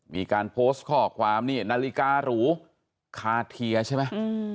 มีการโพสต์ข้อความนี่นาฬิการูคาเทียใช่ไหม